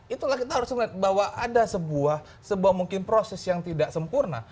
itulah kita harus melihat bahwa ada sebuah mungkin proses yang tidak sempurna